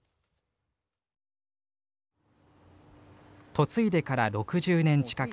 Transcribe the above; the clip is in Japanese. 嫁いでから６０年近く。